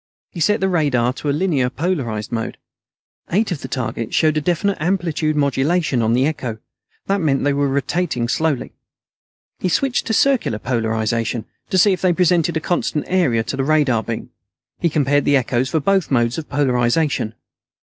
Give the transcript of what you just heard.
He set the radar to a linearly polarized mode. Eight of the targets showed a definite amplitude modulation on the echo. That meant they were rotating slowly. He switched to circular polarization, to see if they presented a constant area to the radar beam. He compared the echoes for both modes of polarization.